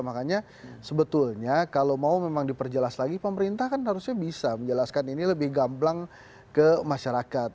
makanya sebetulnya kalau mau memang diperjelas lagi pemerintah kan harusnya bisa menjelaskan ini lebih gamblang ke masyarakat